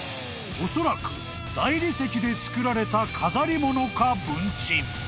［おそらく大理石でつくられた飾り物か文鎮］